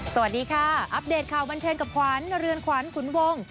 สวัสดีค่ะอัปเดตข่าวบันเทิงกับขวัญเรือนขวัญขุนวง